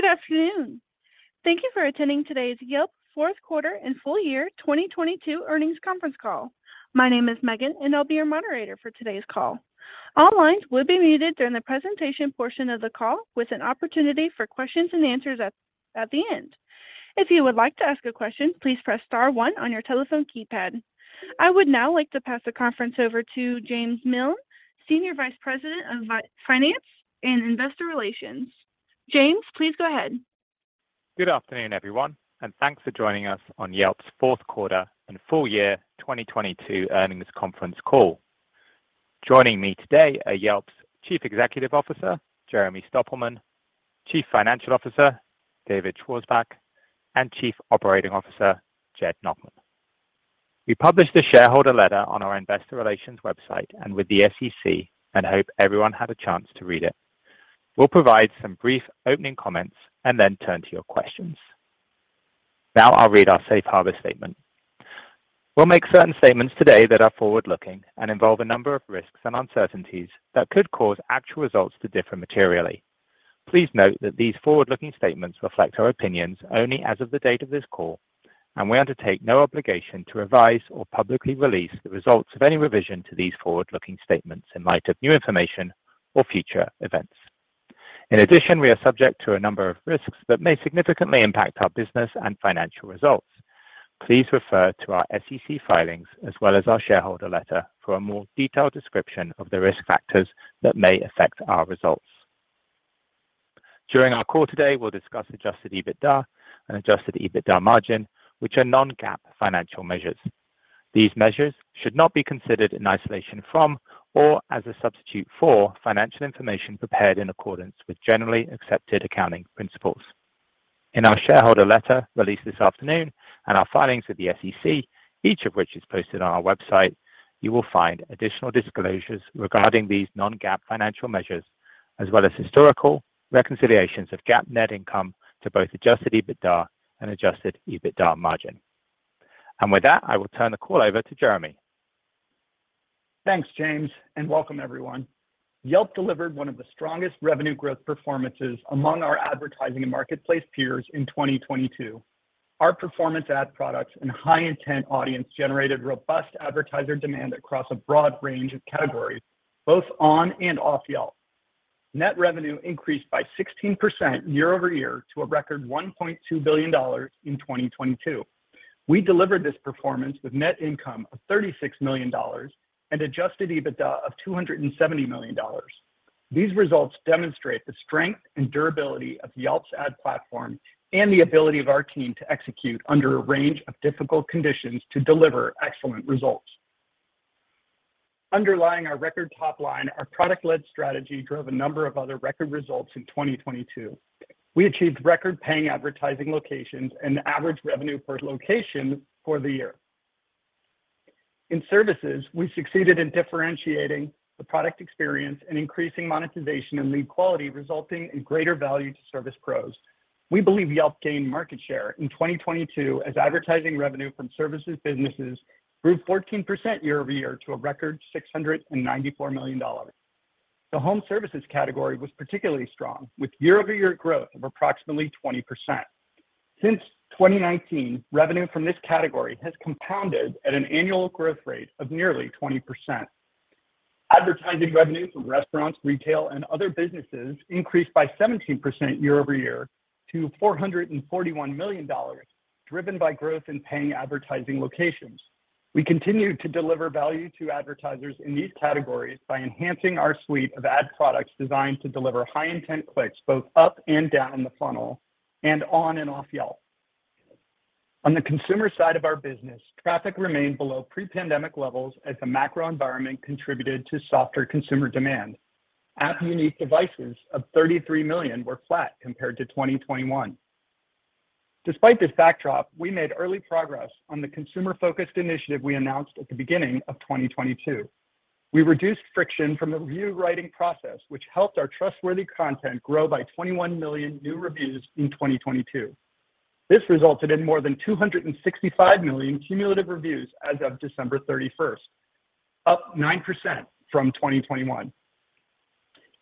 Good afternoon. Thank you for attending today's Yelp fourth quarter and full year 2022 earnings conference call. My name is Megan, and I'll be your moderator for today's call. All lines will be muted during the presentation portion of the call with an opportunity for questions and answers at the end. If you would like to ask a question, please press star one on your telephone keypad. I would now like to pass the conference over to James Miln, Senior Vice President of Finance and Investor Relations. James, please go ahead. Good afternoon, everyone, thanks for joining us on Yelp's fourth quarter and full year 2022 earnings conference call. Joining me today are Yelp's Chief Executive Officer, Jeremy Stoppelman, Chief Financial Officer, David Schwarzbach, and Chief Operating Officer, Jed Nachman. We published a shareholder letter on our investor relations website and with the SEC and hope everyone had a chance to read it. We'll provide some brief opening comments then turn to your questions. I'll read our safe harbor statement. We'll make certain statements today that are forward-looking and involve a number of risks and uncertainties that could cause actual results to differ materially. Please note that these forward-looking statements reflect our opinions only as of the date of this call, we undertake no obligation to revise or publicly release the results of any revision to these forward-looking statements in light of new information or future events. In addition, we are subject to a number of risks that may significantly impact our business and financial results. Please refer to our SEC filings as well as our shareholder letter for a more detailed description of the risk factors that may affect our results. During our call today, we'll discuss Adjusted EBITDA and Adjusted EBITDA margin, which are non-GAAP financial measures. These measures should not be considered in isolation from or as a substitute for financial information prepared in accordance with generally accepted accounting principles. In our shareholder letter released this afternoon and our filings with the SEC, each of which is posted on our website, you will find additional disclosures regarding these non-GAAP financial measures, as well as historical reconciliations of GAAP net income to both Adjusted EBITDA and Adjusted EBITDA margin. With that, I will turn the call over to Jeremy. Thanks, James. Welcome everyone. Yelp delivered one of the strongest revenue growth performances among our advertising and marketplace peers in 2022. Our performance ad products and high-intent audience generated robust advertiser demand across a broad range of categories, both on and off Yelp. Net revenue increased by 16% year-over-year to a record $1.2 billion in 2022. We delivered this performance with net income of $36 million and Adjusted EBITDA of $270 million. These results demonstrate the strength and durability of Yelp's ad platform and the ability of our team to execute under a range of difficult conditions to deliver excellent results. Underlying our record top line, our product-led strategy drove a number of other record results in 2022. We achieved record paying advertising locations and average revenue per location for the year. In services, we succeeded in differentiating the product experience and increasing monetization and lead quality, resulting in greater value to service pros. We believe Yelp gained market share in 2022 as advertising revenue from services businesses grew 14% year-over-year to a record $694 million. The home services category was particularly strong, with year-over-year growth of approximately 20%. Since 2019, revenue from this category has compounded at an annual growth rate of nearly 20%. Advertising revenue from restaurants, retail, and other businesses increased by 17% year-over-year to $441 million, driven by growth in paying advertising locations. We continue to deliver value to advertisers in these categories by enhancing our suite of ad products designed to deliver high-intent clicks both up and down the funnel and on and off Yelp. On the consumer side of our business, traffic remained below pre-pandemic levels as the macro environment contributed to softer consumer demand. App unique devices of 33 million were flat compared to 2021. Despite this backdrop, we made early progress on the consumer-focused initiative we announced at the beginning of 2022. We reduced friction from the review writing process, which helped our trustworthy content grow by 21 million new reviews in 2022. This resulted in more than 265 million cumulative reviews as of December 31st, up 9% from 2021.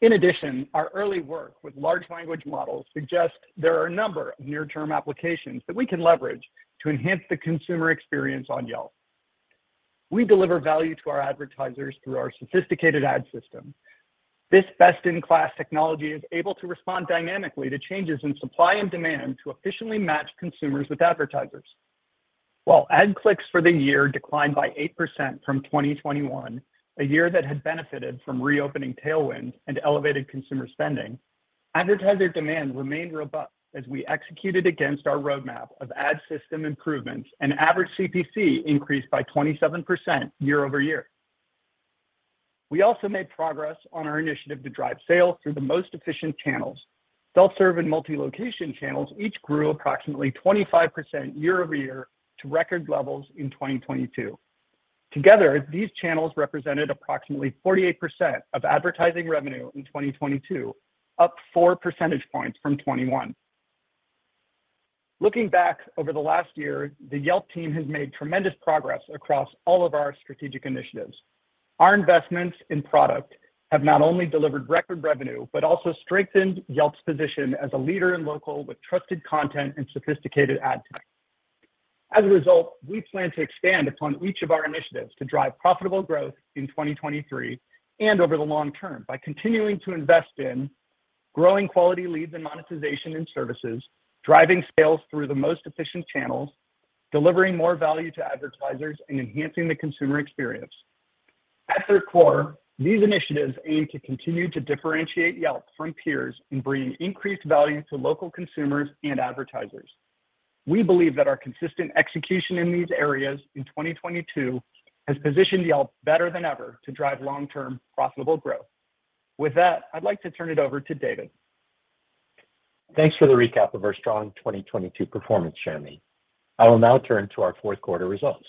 In addition, our early work with large language models suggests there are a number of near-term applications that we can leverage to enhance the consumer experience on Yelp. We deliver value to our advertisers through our sophisticated ad system. This best-in-class technology is able to respond dynamically to changes in supply and demand to efficiently match consumers with advertisers. While ad clicks for the year declined by 8% from 2021, a year that had benefited from reopening tailwind and elevated consumer spending, advertiser demand remained robust as we executed against our roadmap of ad system improvements and average CPC increased by 27% year-over-year. We also made progress on our initiative to drive sales through the most efficient channels. Self-serve and multi-location channels each grew approximately 25% year-over-year to record levels in 2022. Together, these channels represented approximately 48% of advertising revenue in 2022, up four percentage points from 2021. Looking back over the last year, the Yelp team has made tremendous progress across all of our strategic initiatives. Our investments in product have not only delivered record revenue, but also strengthened Yelp's position as a leader in local with trusted content and sophisticated ad tech. As a result, we plan to expand upon each of our initiatives to drive profitable growth in 2023 and over the long term by continuing to invest in growing quality leads and monetization in services, driving sales through the most efficient channels, delivering more value to advertisers, and enhancing the consumer experience. At their core, these initiatives aim to continue to differentiate Yelp from peers in bringing increased value to local consumers and advertisers. We believe that our consistent execution in these areas in 2022 has positioned Yelp better than ever to drive long-term profitable growth. With that, I'd like to turn it over to David. Thanks for the recap of our strong 2022 performance, Jeremy. I will now turn to our fourth quarter results.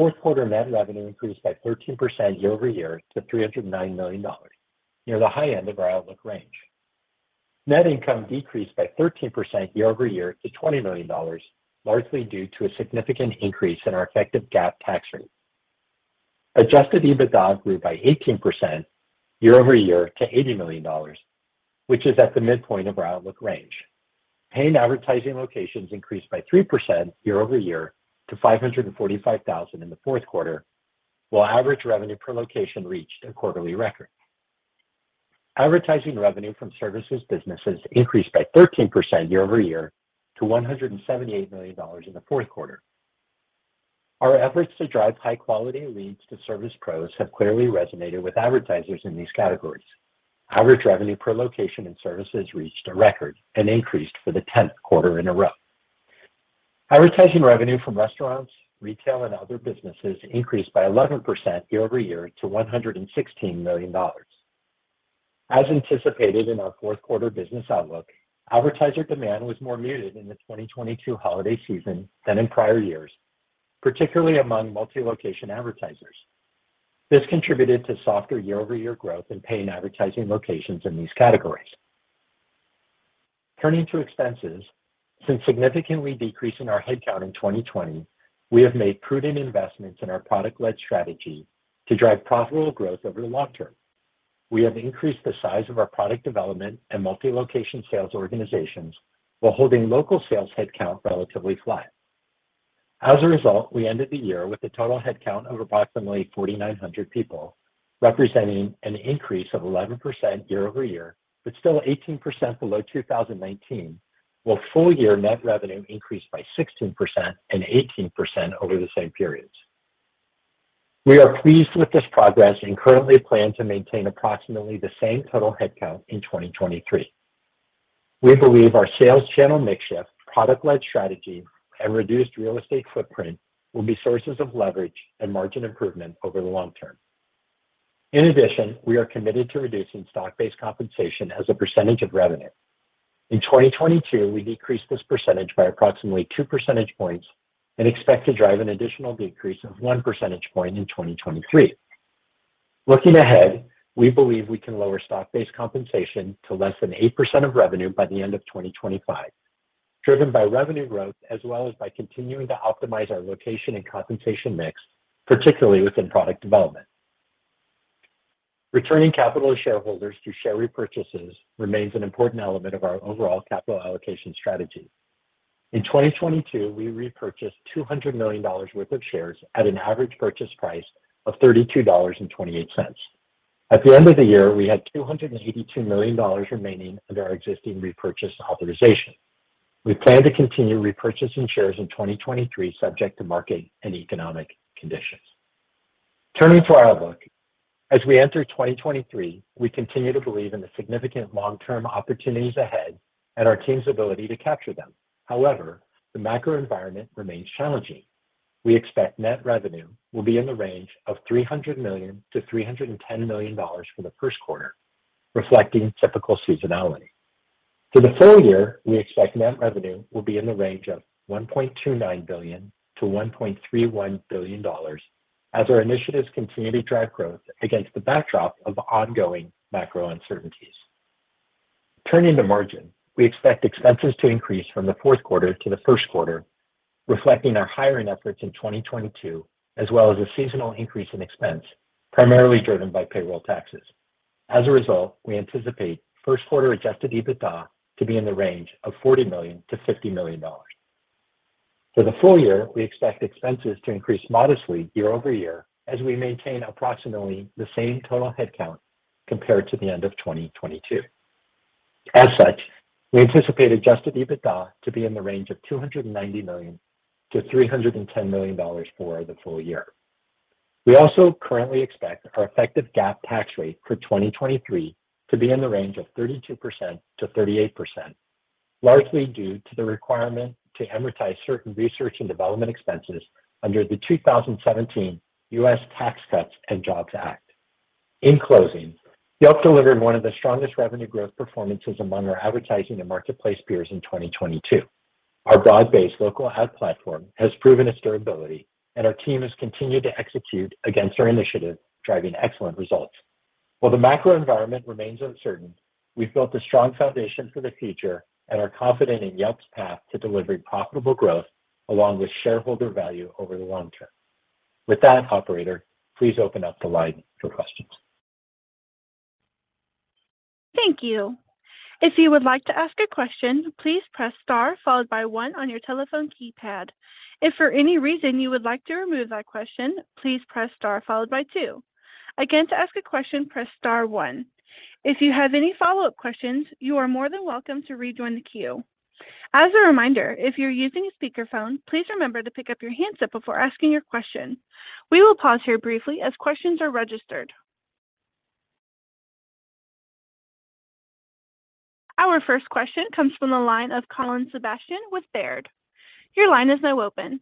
Fourth quarter net revenue increased by 13% year-over-year to $309 million, near the high end of our outlook range. Net income decreased by 13% year-over-year to $20 million, largely due to a significant increase in our effective GAAP tax rate. Adjusted EBITDA grew by 18% year-over-year to $80 million, which is at the midpoint of our outlook range. Paying advertising locations increased by 3% year-over-year to 545,000 in the fourth quarter, while average revenue per location reached a quarterly record. Advertising revenue from services businesses increased by 13% year-over-year to $178 million in the fourth quarter. Our efforts to drive high-quality leads to service pros have clearly resonated with advertisers in these categories. Average revenue per location in services reached a record and increased for the 10th quarter in a row. Advertising revenue from restaurants, retail, and other businesses increased by 11% year-over-year to $116 million. As anticipated in our fourth quarter business outlook, advertiser demand was more muted in the 2022 holiday season than in prior years, particularly among multi-location advertisers. This contributed to softer year-over-year growth in paying advertising locations in these categories. Turning to expenses, since significantly decreasing our headcount in 2020, we have made prudent investments in our product-led strategy to drive profitable growth over the long term. We have increased the size of our product development and multi-location sales organizations while holding local sales headcount relatively flat. We ended the year with a total headcount of approximately 4,900 people, representing an increase of 11% year-over-year, but still 18% below 2019, while full-year net revenue increased by 16% and 18% over the same periods. We are pleased with this progress and currently plan to maintain approximately the same total headcount in 2023. We believe our sales channel mix shift, product-led strategy, and reduced real estate footprint will be sources of leverage and margin improvement over the long term. In addition, we are committed to reducing stock-based compensation as a percentage of revenue. In 2022, we decreased this percentage by approximately two percentage points and expect to drive an additional decrease of one percentage point in 2023. Looking ahead, we believe we can lower stock-based compensation to less than 8% of revenue by the end of 2025, driven by revenue growth as well as by continuing to optimize our location and compensation mix, particularly within product development. Returning capital to shareholders through share repurchases remains an important element of our overall capital allocation strategy. In 2022, we repurchased $200 million worth of shares at an average purchase price of $32.28. At the end of the year, we had $282 million remaining under our existing repurchase authorization. We plan to continue repurchasing shares in 2023 subject to market and economic conditions. Turning to our outlook, as we enter 2023, we continue to believe in the significant long-term opportunities ahead and our team's ability to capture them. The macro environment remains challenging. We expect net revenue will be in the range of $300 million-$310 million for the first quarter, reflecting typical seasonality. For the full year, we expect net revenue will be in the range of $1.29 billion-$1.31 billion as our initiatives continue to drive growth against the backdrop of ongoing macro uncertainties. Turning to margin, we expect expenses to increase from the fourth quarter to the first quarter, reflecting our hiring efforts in 2022, as well as a seasonal increase in expense, primarily driven by payroll taxes. As a result, we anticipate first quarter Adjusted EBITDA to be in the range of $40 million-$50 million. For the full year, we expect expenses to increase modestly year-over-year as we maintain approximately the same total headcount compared to the end of 2022. As such, we anticipate Adjusted EBITDA to be in the range of $290 million-$310 million for the full year. We also currently expect our effective GAAP tax rate for 2023 to be in the range of 32%-38%, largely due to the requirement to amortize certain research and development expenses under the 2017 US Tax Cuts and Jobs Act. In closing, Yelp delivered one of the strongest revenue growth performances among our advertising and marketplace peers in 2022. Our broad-based local ad platform has proven its durability, and our team has continued to execute against our initiative, driving excellent results. While the macro environment remains uncertain, we've built a strong foundation for the future and are confident in Yelp's path to delivering profitable growth along with shareholder value over the long term. With that, operator, please open up the line for questions. Thank you. If you would like to ask a question, please press star followed by one on your telephone keypad. If for any reason you would like to remove that question, please press star followed by two. Again, to ask a question, press star one. If you have any follow-up questions, you are more than welcome to rejoin the queue. As a reminder, if you're using a speakerphone, please remember to pick up your handset before asking your question. We will pause here briefly as questions are registered. Our first question comes from the line of Colin Sebastian with Baird. Your line is now open.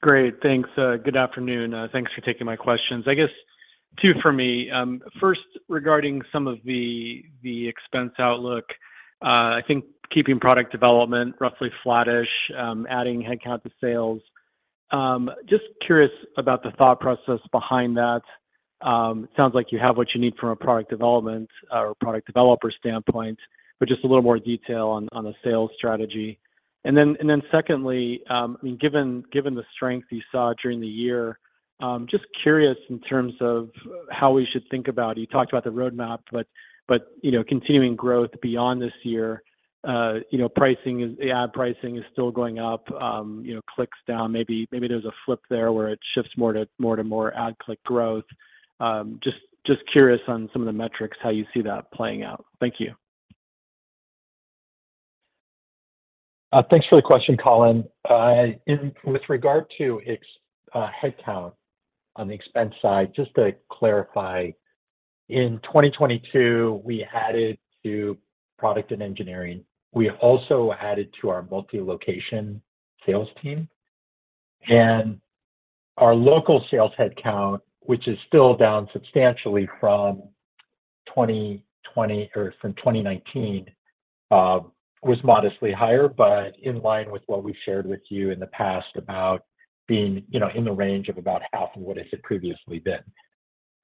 Great. Thanks. Good afternoon. Thanks for taking my questions. I guess two for me. First regarding some of the expense outlook, I think keeping product development roughly flattish, adding headcount to sales. Just curious about the thought process behind that. Sounds like you have what you need from a product development or product developer standpoint, but just a little more detail on the sales strategy. Then secondly, given the strength you saw during the year, just curious in terms of how we should think about... You talked about the roadmap, but, you know, continuing growth beyond this year, you know, the ad pricing is still going up, you know, clicks down. Maybe there's a flip there where it shifts more to more ad click growth. Just curious on some of the metrics, how you see that playing out. Thank you. Thanks for the question, Colin. With regard to headcount on the expense side, just to clarify, in 2022, we added to product and engineering. We also added to our multi-location sales team. Our local sales headcount, which is still down substantially from 2020 or from 2019, was modestly higher, but in line with what we've shared with you in the past about being, you know, in the range of about half of what it had previously been.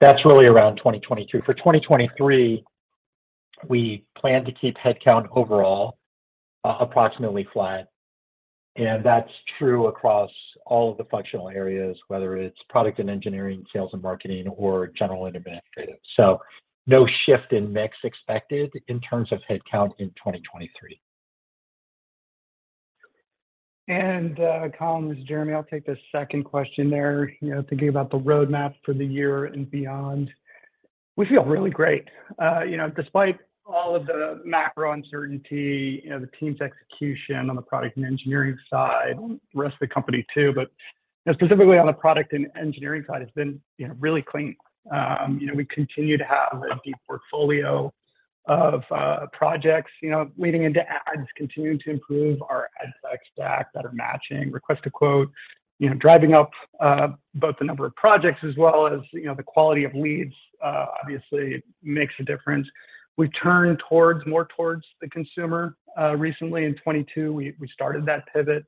That's really around 2022. For 2023, we plan to keep headcount overall approximately flat, and that's true across all of the functional areas, whether it's product and engineering, sales and marketing, or general and administrative. No shift in mix expected in terms of headcount in 2023. Colin, this is Jeremy. I'll take the second question there, you know, thinking about the roadmap for the year and beyond. We feel really great. You know, despite all of the macro uncertainty, you know, the team's execution on the product and engineering side, rest of the company too. You know, specifically on the product and engineering side, it's been, you know, really clean. You know, we continue to have a deep portfolio of projects, you know, leaning into ads, continuing to improve our ad tech stack that are matching Request a Quote, you know, driving up both the number of projects as well as, you know, the quality of leads, obviously makes a difference. We turn more towards the consumer. Recently in 2022, we started that pivot.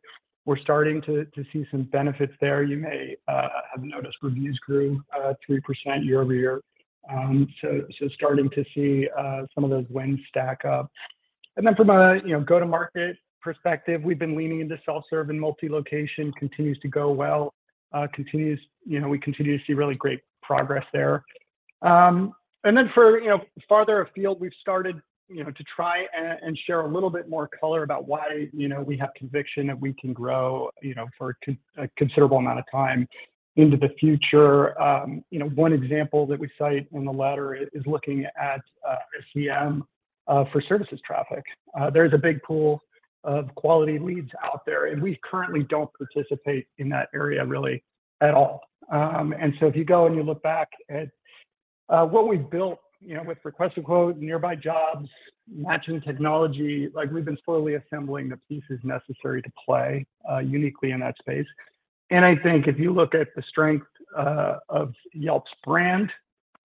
We're starting to see some benefits there. You may have noticed reviews grew 3% year-over-year. Starting to see some of those wins stack up. From a, you know, go-to-market perspective, we've been leaning into self-serve and multi-location continues to go well. We continue to see really great progress there. For, you know, farther afield, we've started, you know, to try and share a little bit more color about why, you know, we have conviction that we can grow, you know, for a considerable amount of time into the future. You know, one example that we cite in the letter is looking at SEM for services traffic. There's a big pool of quality leads out there, we currently don't participate in that area really at all. If you go and you look back at what we've built, you know, with Request a Quote, Nearby Jobs, matching technology, like, we've been slowly assembling the pieces necessary to play uniquely in that space. I think if you look at the strength of Yelp's brand,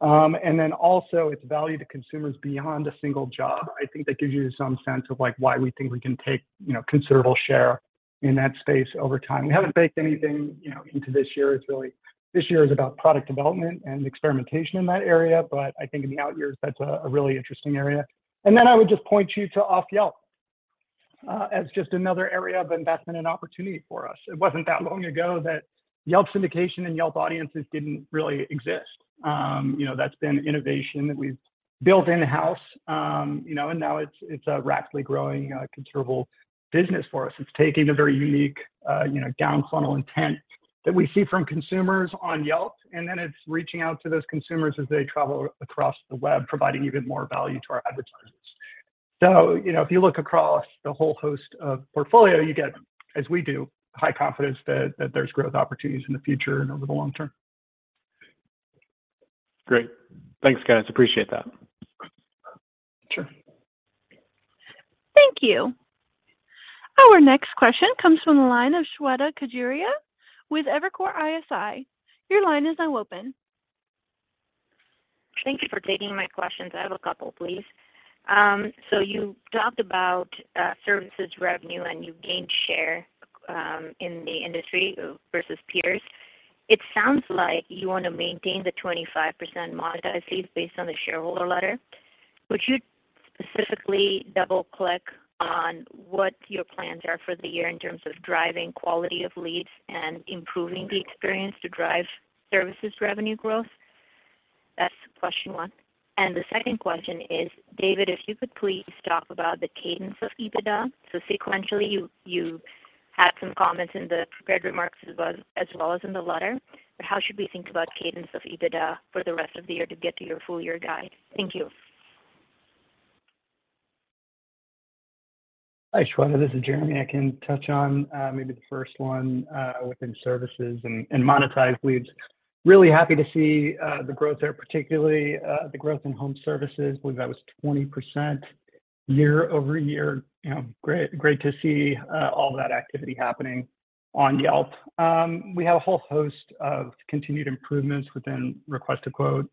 and then also its value to consumers beyond a single job, I think that gives you some sense of, like, why we think we can take, you know, considerable share in that space over time. We haven't baked anything, you know, into this year. It's really, this year is about product development and experimentation in that area. I think in the out years, that's a really interesting area. I would just point you to Off Yelp as just another area of investment and opportunity for us. It wasn't that long ago that Yelp Syndication and Yelp Audiences didn't really exist. you know, that's been innovation that we've built in-house. you know, and now it's a rapidly growing, considerable business for us. It's taking a very unique, you know, down funnel intent that we see from consumers on Yelp, and then it's reaching out to those consumers as they travel across the web, providing even more value to our advertisers. you know, if you look across the whole host of portfolio, you get, as we do, high confidence that there's growth opportunities in the future and over the long term. Great. Thanks, guys. Appreciate that. Sure. Thank you. Our next question comes from the line of Shweta Khajuria with Evercore ISI. Your line is now open. Thank you for taking my questions. I have a couple, please. You talked about services revenue and you gained share in the industry versus peers. It sounds like you wanna maintain the 25% monetized fees based on the shareholder letter. Would you specifically double-click on what your plans are for the year in terms of driving quality of leads and improving the experience to drive services revenue growth? That's question one. The second question is, David, if you could please talk about the cadence of EBITDA. Sequentially, you had some comments in the prepared remarks as well, as well as in the letter, but how should we think about cadence of EBITDA for the rest of the year to get to your full year guide? Thank you. Hi, Shweta. This is Jeremy. I can touch on maybe the first one within services and monetized leads. Really happy to see the growth there, particularly the growth in home services. Believe that was 20% year-over-year. You know, great to see all that activity happening on Yelp. We have a whole host of continued improvements within Request a Quote.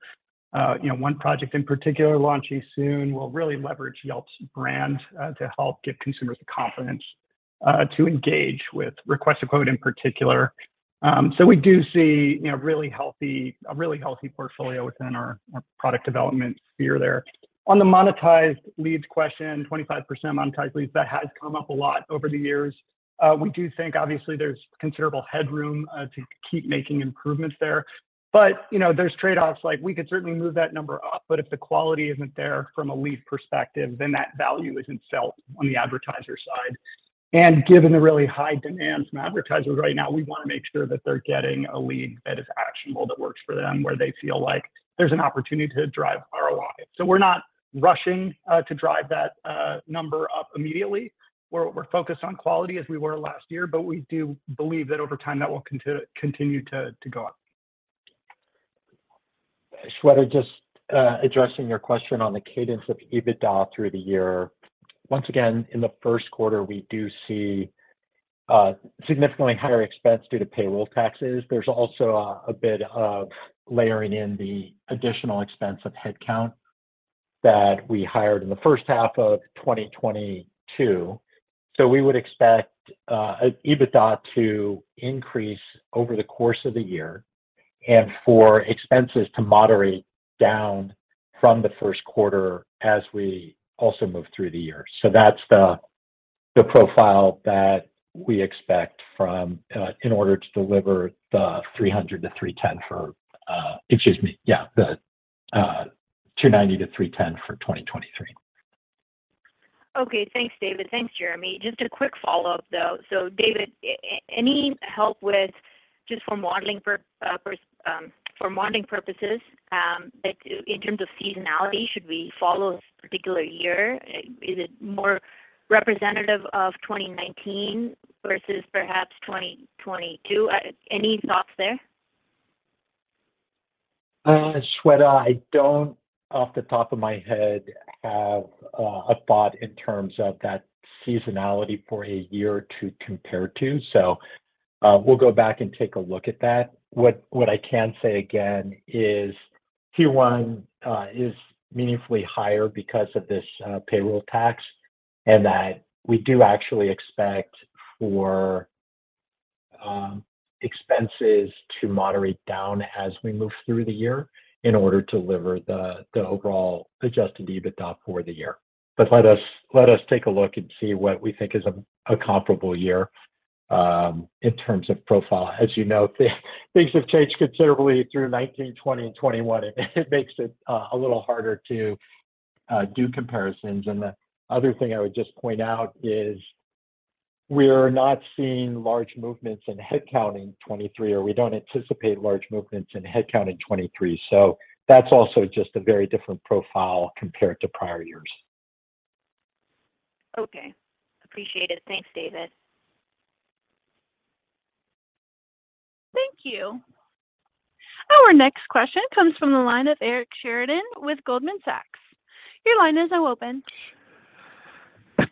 You know, one project in particular launching soon will really leverage Yelp's brand to help give consumers the confidence to engage with Request a Quote in particular. We do see, you know, a really healthy portfolio within our product development sphere there. On the monetized leads question, 25% monetized leads, that has come up a lot over the years. We do think obviously there's considerable headroom to keep making improvements there. You know, there's trade-offs. Like, we could certainly move that number up, but if the quality isn't there from a lead perspective, then that value isn't felt on the advertiser side. Given the really high demand from advertisers right now, we wanna make sure that they're getting a lead that is actionable, that works for them, where they feel like there's an opportunity to drive ROI. We're not rushing to drive that number up immediately. We're focused on quality as we were last year, but we do believe that over time, that will continue to go up. Shweta, just addressing your question on the cadence of EBITDA through the year. In the first quarter, we do see significantly higher expense due to payroll taxes. There's also a bit of layering in the additional expense of headcount that we hired in the first half of 2022. We would expect EBITDA to increase over the course of the year and for expenses to moderate down from the first quarter as we also move through the year. That's the profile that we expect in order to deliver the $290 million-$310 million for 2023. Okay. Thanks, David. Thanks, Jeremy. Just a quick follow-up, though. David, any help with just for modeling purposes, in terms of seasonality, should we follow this particular year? Is it more representative of 2019 versus perhaps 2022? Any thoughts there? Shweta, I don't off the top of my head have a thought in terms of that seasonality for a year to compare to. We'll go back and take a look at that. What I can say again is Q1 is meaningfully higher because of this payroll tax, and that we do actually expect for expenses to moderate down as we move through the year in order to deliver the overall Adjusted EBITDA for the year. Let us take a look and see what we think is a comparable year in terms of profile. As you know, things have changed considerably through 2019, 2020 and 2021. It makes it a little harder to do comparisons. The other thing I would just point out is we're not seeing large movements in headcount in 2023, or we don't anticipate large movements in headcount in 2023. That's also just a very different profile compared to prior years. Okay. Appreciate it. Thanks, David. Thank you. Our next question comes from the line of Eric Sheridan with Goldman Sachs. Your line is now open.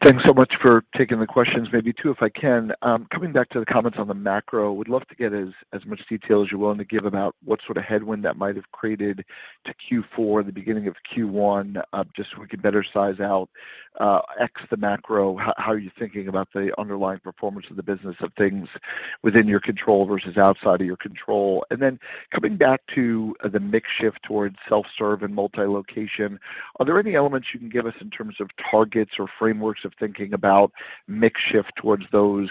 Thanks so much for taking the questions. Maybe two, if I can. Coming back to the comments on the macro, would love to get as much detail as you're willing to give about what sort of headwind that might have created to Q4, the beginning of Q1, just so we can better size out, x the macro, how are you thinking about the underlying performance of the business of things within your control versus outside of your control? Then coming back to the mix shift towards self-serve and multi-location, are there any elements you can give us in terms of targets or frameworks of thinking about mix shift towards those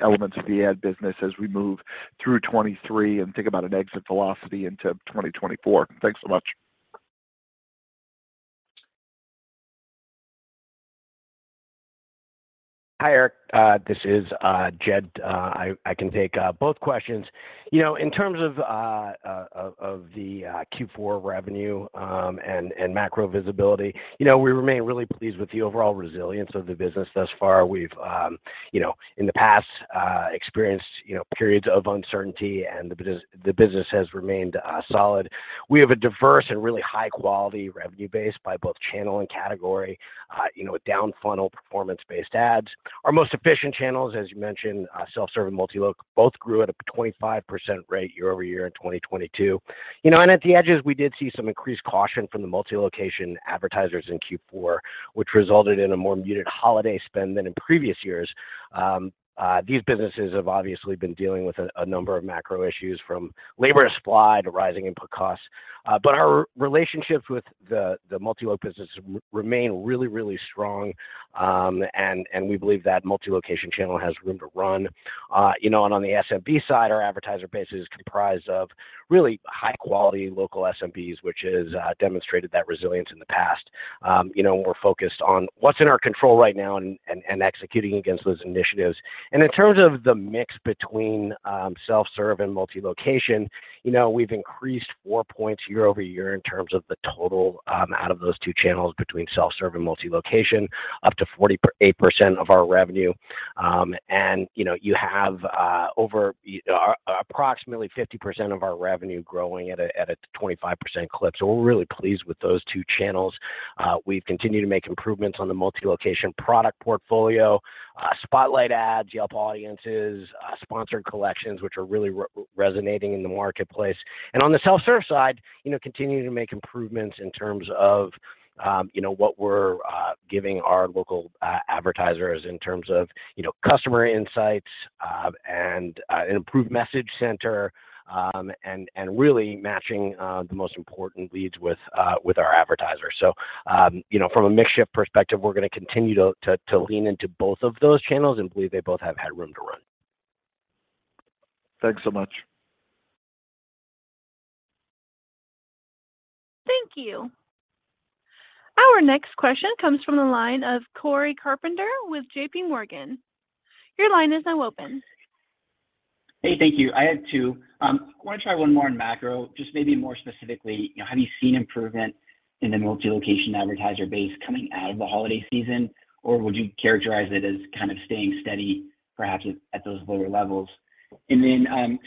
elements of the ad business as we move through 23 and think about an exit velocity into 2024? Thanks so much. Hi, Eric. This is Jed. I can take both questions. You know, in terms of Q4 revenue and macro visibility, you know, we remain really pleased with the overall resilience of the business thus far. We've, you know, in the past, experienced, you know, periods of uncertainty, and the business has remained solid. We have a diverse and really high quality revenue base by both channel and category. You know, with down funnel performance-based ads. Our most efficient channels, as you mentioned, self-serve and Multi-loc both grew at a 25% rate year-over-year in 2022. You know, at the edges, we did see some increased caution from the Multi-location advertisers in Q4, which resulted in a more muted holiday spend than in previous years. These businesses have obviously been dealing with a number of macro issues from labor supply to rising input costs. Our relationships with the Multi-loc businesses remain really strong. We believe that Multi-location channel has room to run. You know, on the SMB side, our advertiser base is comprised of really high-quality local SMBs, which has demonstrated that resilience in the past. You know, we're focused on what's in our control right now and executing against those initiatives. In terms of the mix between self-serve and Multi-location, you know, we've increased four points year-over-year in terms of the total out of those two channels between self-serve and Multi-location, up to 48% of our revenue. And, you know, you have, over approximately 50% of our revenue growing at a, at a 25% clip. We're really pleased with those two channels. We've continued to make improvements on the Multi-location product portfolio, Spotlight Ads, Yelp Audiences, Sponsored Collections, which are really resonating in the marketplace. On the self-serve side, you know, continuing to make improvements in terms of, you know, what we're giving our local advertisers in terms of, you know, customer insights, and an improved message center, and really matching the most important leads with our advertisers. You know, from a mix shift perspective, we're gonna continue to lean into both of those channels and believe they both have had room to run. Thanks so much. Thank you. Our next question comes from the line of Cory Carpenter with J.P. Morgan. Your line is now open. Hey, thank you. I have two. wanna try one more on macro, just maybe more specifically, you know, have you seen improvement in the Multi-location advertiser base coming out of the holiday season, or would you characterize it as kind of staying steady, perhaps at those lower levels?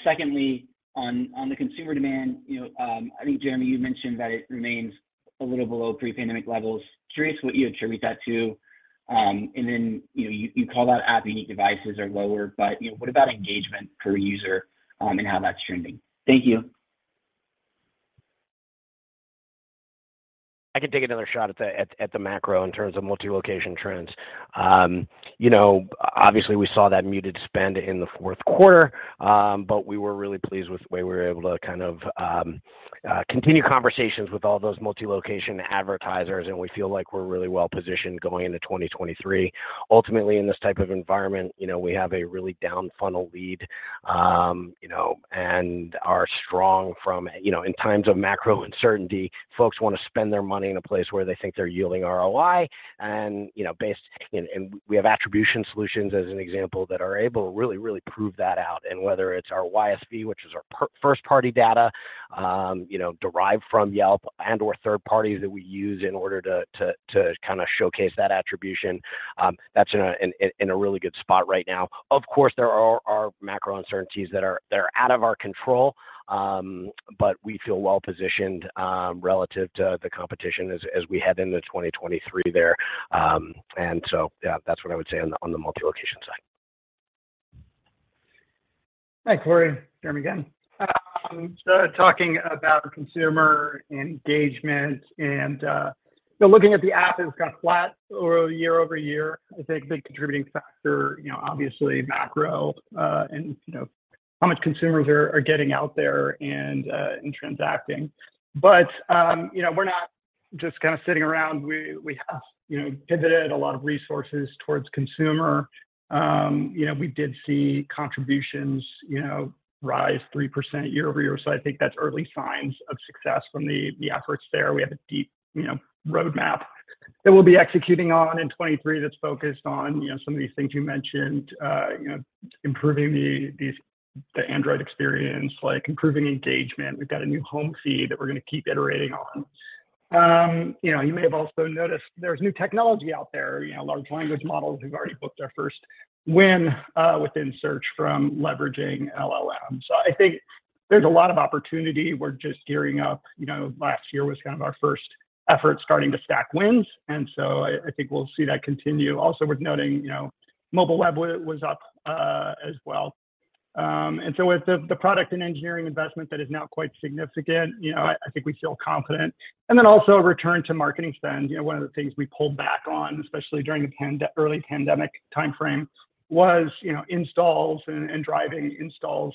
Secondly, on the consumer demand, you know, I think Jeremy, you mentioned that it remains a little below pre-pandemic levels. Curious what you attribute that to. Then, you know, you called out app unique devices are lower, but, you know, what about engagement per user, and how that's trending? Thank you. I can take another shot at the macro in terms of Multi-location trends. You know, obviously we saw that muted spend in the fourth quarter, but we were really pleased with the way we were able to kind of, continue conversations with all those Multi-location advertisers, and we feel like we're really well positioned going into 2023. Ultimately, in this type of environment, you know, we have a really down funnel lead, you know, and are strong. You know, in times of macro uncertainty, folks wanna spend their money in a place where they think they're yielding ROI. You know, based. We have attribution solutions as an example, that are able to really prove that out. Whether it's our YSV, which is our per-first party data, you know, derived from Yelp and/or third parties that we use in order to kinda showcase that attribution, that's in a really good spot right now. Of course, there are macro uncertainties that are out of our control, but we feel well positioned, relative to the competition as we head into 2023 there. So, yeah, that's what I would say on the Multi-location side. Hi, Cory. Jeremy again. talking about consumer engagement and, you know, looking at the app, it was kinda flat year-over-year. I think a big contributing factor, you know, obviously macro, and, you know, how much consumers are getting out there and transacting. you know, we're not just kinda sitting around. We have, you know, pivoted a lot of resources towards consumer. you know, we did see contributions, you know, rise 3% year-over-year, so I think that's early signs of success from the efforts there. We have a deep, you know, roadmap that we'll be executing on in 2023 that's focused on, you know, some of these things you mentioned, you know, improving the Android experience, like improving engagement. We've got a new home feed that we're gonna keep iterating on. You know, you may have also noticed there's new technology out there, you know, large language models who've already booked their first win within search from leveraging LLM. I think there's a lot of opportunity. We're just gearing up. You know, last year was kind of our first effort starting to stack wins, I think we'll see that continue. Also worth noting, you know, mobile web was up as well. With the product and engineering investment that is now quite significant, you know, I think we feel confident. Also return to marketing spend. You know, one of the things we pulled back on, especially during the early pandemic timeframe, was, you know, installs and driving installs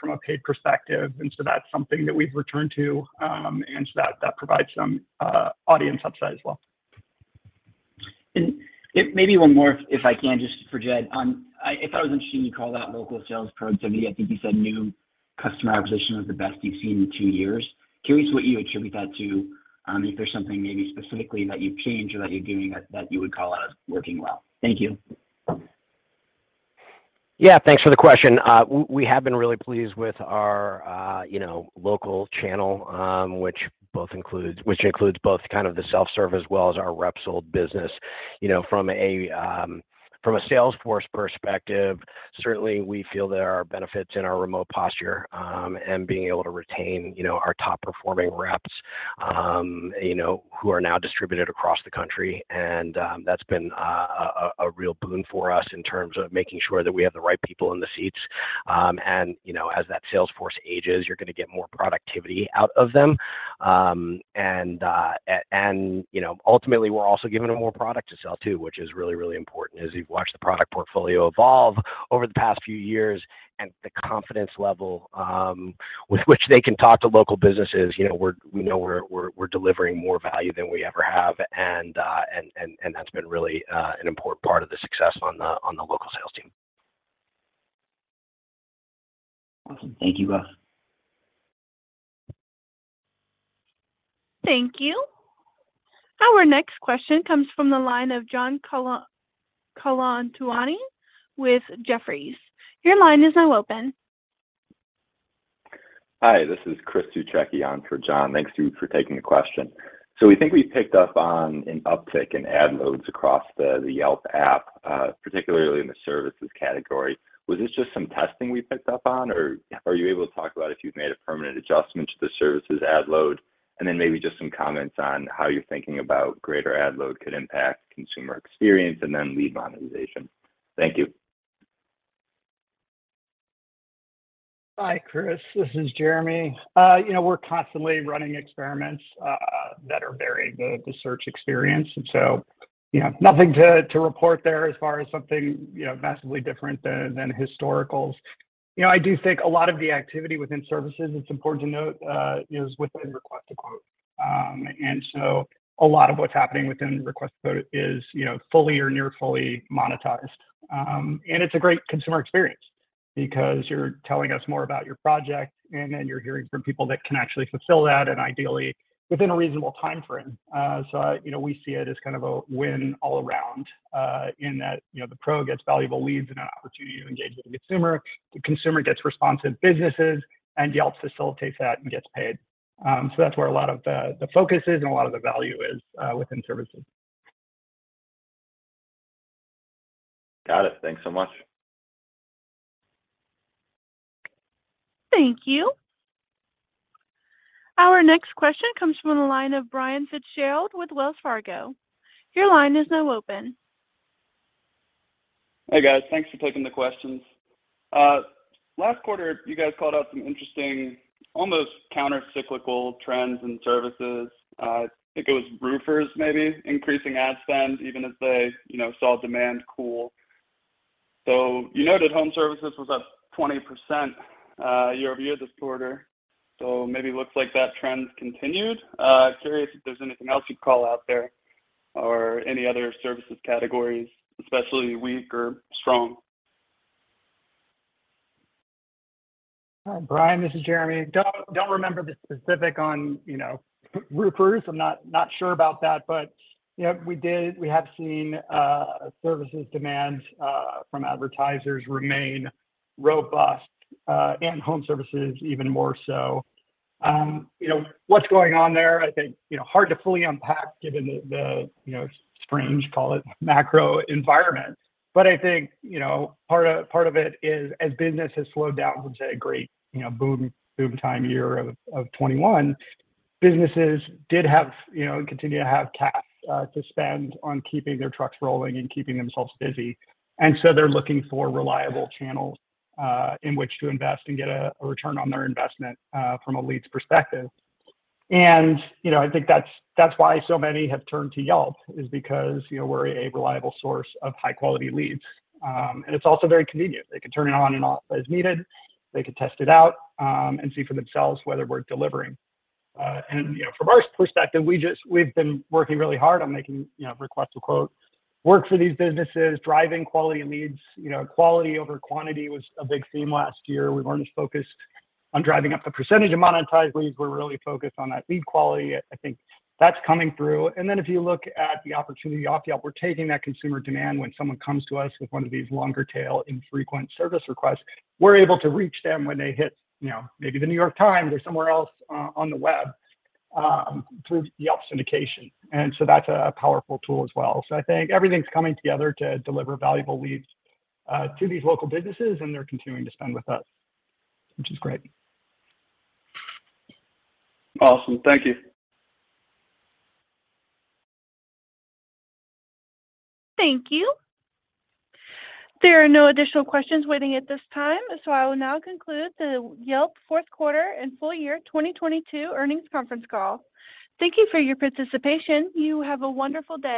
from a paid perspective. That's something that we've returned to, and so that provides some audience upside as well. Maybe one more if I can just for Jed. If I was understanding, you called out local sales productivity. I think you said new customer acquisition was the best you've seen in two years. Curious what you attribute that to, and if there's something maybe specifically that you've changed or that you're doing that you would call out as working well. Thank you. Yeah. Thanks for the question. We have been really pleased with our, you know, local channel, which includes both kind of the self-serve as well as our rep sold business. You know, from a, from a sales force perspective, certainly we feel there are benefits in our remote posture, and being able to retain, you know, our top performing reps You know, who are now distributed across the country, and that's been a real boon for us in terms of making sure that we have the right people in the seats. You know, as that sales force ages, you're gonna get more productivity out of them. You know, ultimately, we're also giving them more product to sell too, which is really, really important as we've watched the product portfolio evolve over the past few years and the confidence level with which they can talk to local businesses. You know, we know we're delivering more value than we ever have, and that's been really an important part of the success on the local sales team. Awesome. Thank you both. Thank you. Our next question comes from the line of John Colantuoni with Jefferies. Your line is now open. Hi, this is Christopher Suchecki on for John. Thanks to you for taking the question. We think we picked up on an uptick in ad loads across the Yelp app, particularly in the services category. Was this just some testing we picked up on, or are you able to talk about if you've made a permanent adjustment to the services ad load? Then maybe just some comments on how you're thinking about greater ad load could impact consumer experience and then lead monetization. Thank you. Hi, Chris. This is Jeremy. You know, we're constantly running experiments that are varying the search experience. So, you know, nothing to report there as far as something, you know, massively different than historicals. You know, I do think a lot of the activity within services, it's important to note, is within Request a Quote. So a lot of what's happening within Request a Quote is, you know, fully or near fully monetized. It's a great consumer experience because you're telling us more about your project, and then you're hearing from people that can actually fulfill that, and ideally within a reasonable timeframe. You know, we see it as kind of a win all around, in that, you know, the pro gets valuable leads and an opportunity to engage with the consumer, the consumer gets responsive businesses, and Yelp facilitates that and gets paid. That's where a lot of the focus is and a lot of the value is, within services. Got it. Thanks so much. Thank you. Our next question comes from the line of Brian Fitzgerald with Wells Fargo. Your line is now open. Hey, guys. Thanks for taking the questions. Last quarter, you guys called out some interesting, almost counter-cyclical trends in services. I think it was roofers maybe increasing ad spend even as they, you know, saw demand cool. You noted home services was up 20% year-over-year this quarter. Maybe looks like that trend's continued. Curious if there's anything else you'd call out there or any other services categories, especially weak or strong. Brian, this is Jeremy.Don't remember the specific on, you know, roofers. I'm not sure about that. You know, we have seen services demands from advertisers remain robust, and home services even more so. You know, what's going on there, I think, you know, hard to fully unpack given the, you know, strange, call it, macro environment. I think, you know, part of it is as business has slowed down from, say, a great, you know, boom time year of 2021, businesses did have, you know, and continue to have cash to spend on keeping their trucks rolling and keeping themselves busy. They're looking for reliable channels in which to invest and get a return on their investment from a leads perspective. You know, I think that's why so many have turned to Yelp, is because, you know, we're a reliable source of high-quality leads. It's also very convenient. They can turn it on and off as needed. They can test it out, and see for themselves whether we're delivering. You know, from our perspective, we've been working really hard on making, you know, Request a Quote work for these businesses, driving quality leads. You know, quality over quantity was a big theme last year. We weren't as focused on driving up the percentage of monetized leads. We're really focused on that lead quality. I think that's coming through. Then if you look at the opportunity off Yelp, we're taking that consumer demand when someone comes to us with one of these longer tail infrequent service requests. We're able to reach them when they hit, you know, maybe The New York Times or somewhere else on the web through Yelp Syndication. That's a powerful tool as well. I think everything's coming together to deliver valuable leads to these local businesses, and they're continuing to spend with us, which is great. Awesome. Thank you. Thank you. There are no additional questions waiting at this time, I will now conclude the Yelp fourth quarter and full year 2022 earnings conference call. Thank you for your participation. You have a wonderful day.